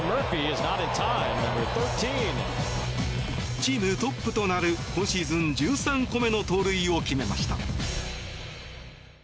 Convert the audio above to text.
チームトップとなる今シーズン１３個目の盗塁を決めました。